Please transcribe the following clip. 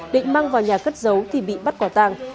định mang vào nhà cất giấu thì bị bắt quả tàng